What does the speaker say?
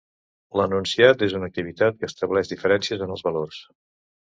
L'enunciat és una activitat que estableix diferències en els valors.